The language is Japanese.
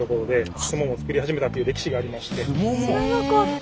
知らなかった。